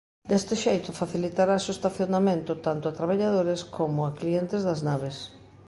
Deste xeito facilitarase o estacionamento tanto a traballadores como a clientes das naves.